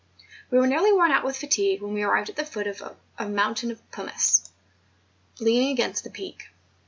We were nearly worn out with fatigue when we arrived at the foot of a mountain of pumice, lean 2C6 MOUNTAIN ADVENTURES. ing against the Peak.